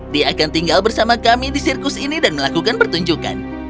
dia akan tinggal bersama kami di sirkus ini dan melakukan pertunjukan